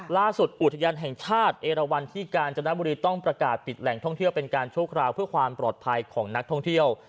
อุทยานแห่งชาติเอราวันที่กาญจนบุรีต้องประกาศปิดแหล่งท่องเที่ยวเป็นการชั่วคราวเพื่อความปลอดภัยของนักท่องเที่ยว